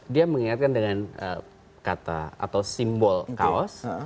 dia mengingatkan dengan kata atau simbol kaos